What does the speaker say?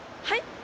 はい？